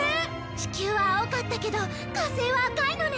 地球は青かったけど火星は赤いのね！